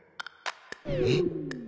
えっ？